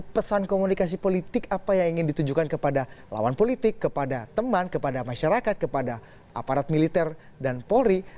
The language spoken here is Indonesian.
pesan komunikasi politik apa yang ingin ditujukan kepada lawan politik kepada teman kepada masyarakat kepada aparat militer dan polri